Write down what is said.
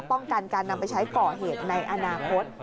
ป้องกันการนำไปใช้ก่อเหตุในอนาคต